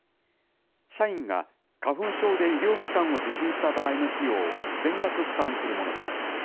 社員が花粉症で医療機関を受診した場合の費用を全額負担するものです。